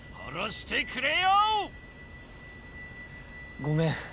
ごめん。